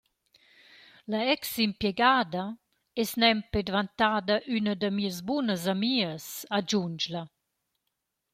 La «ex-impiegada» es nempe dvantada üna da mia bunas amias», agiundsch’la.